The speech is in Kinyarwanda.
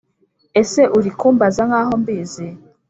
Ese uri kumbaza nkaho mbizi